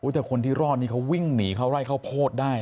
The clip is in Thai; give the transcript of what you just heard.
แต่คนที่รอดนี่เขาวิ่งหนีเข้าไร่ข้าวโพดได้